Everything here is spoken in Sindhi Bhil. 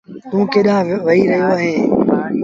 توٚنٚ ڪيڏآݩهݩ وهي رهيو اهينٚ؟